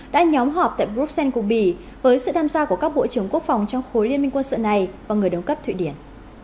đã nhóm họp tại bruxelles của bỉ với sự tham gia của các bộ trưởng quốc phòng trong khối liên minh quân sự này và người đồng cấp thụy điển